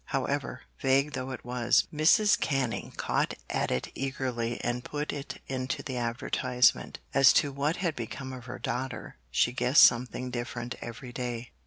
However, vague though it was, Mrs. Canning caught at it eagerly and put it into the advertisement. As to what had become of her daughter, she guessed something different every day.